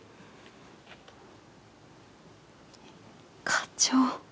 課長。